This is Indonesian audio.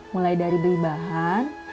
mulai dari beli bahan